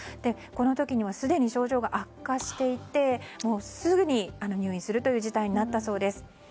この時にはすでに症状が悪化していてもうすぐに入院するという事態になったそうです。